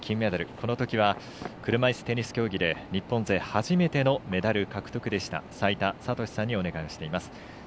このときは車いすテニス競技で日本勢初めてのメダル獲得でした齋田悟司さんにお願いしています。